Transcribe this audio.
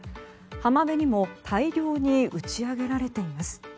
浜辺にも大量に打ち上げられています。